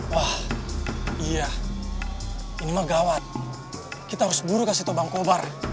wah iya ini megawat kita harus buru kasih tobang kobar